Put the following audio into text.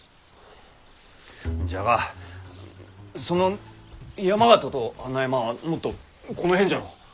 じゃがその山県と穴山はもっとこの辺じゃろ。